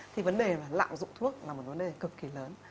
thì vấn đề là lạm dụng thuốc là một vấn đề cực kỳ lớn